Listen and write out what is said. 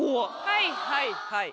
はいはいはい。